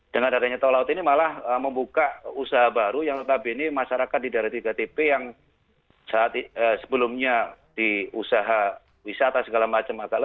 dengan adanya tol laut ini malah membuka usaha baru yang tetap bini masyarakat di daerah tiga tp yang sebelumnya diusaha wisata segala macam